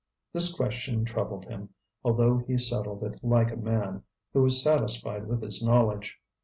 This question troubled him, although he settled it like a man who is satisfied with his knowledge.